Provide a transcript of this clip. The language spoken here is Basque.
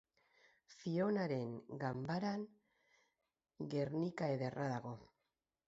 Fionaren ganbaran Guernica ederra dago.